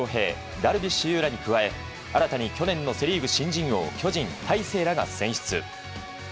ダルビッシュ有らに加え新たに去年のセ・リーグ新人王巨人、大勢らが選出。